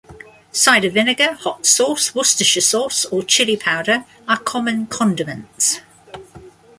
Cider vinegar, hot sauce, Worcestershire sauce, or chili powder are common condiments.